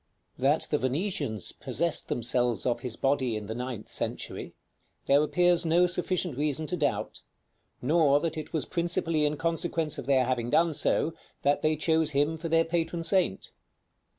§ II. That the Venetians possessed themselves of his body in the ninth century, there appears no sufficient reason to doubt, nor that it was principally in consequence of their having done so, that they chose him for their patron saint.